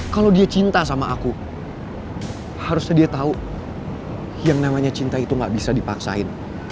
kalau dia cinta sama aku harusnya dia tahu yang namanya cinta itu gak bisa dipaksain